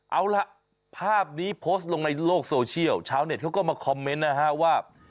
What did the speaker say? เอาล่ะภาพนี้โพสต์ลงในโลกโซเชียลชาวเน็ตเขาก็มาคอมเมนต์นะฮะว่า